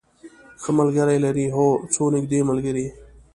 ښه ملګری لرئ؟ هو، څو نږدې ملګری